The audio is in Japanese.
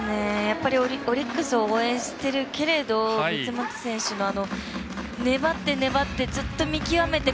オリックスを応援しているけれど三ツ俣選手の粘って粘ってずっと見極めて